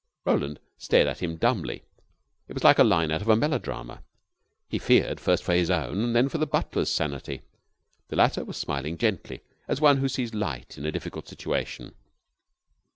Roland stared at him dumbly. It was like a line out of a melodrama. He feared, first for his own, then for the butler's sanity. The latter was smiling gently, as one who sees light in a difficult situation.